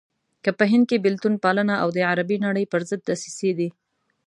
که په هند کې بېلتون پالنه او د عربي نړۍ پرضد دسيسې دي.